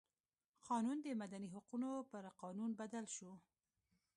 قانون د مدني حقونو پر قانون بدل شو.